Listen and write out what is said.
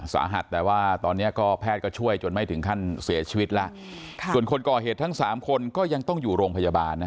สาหัสแต่ว่าตอนนี้ก็แพทย์ก็ช่วยจนไม่ถึงขั้นเสียชีวิตแล้วส่วนคนก่อเหตุทั้งสามคนก็ยังต้องอยู่โรงพยาบาลนะ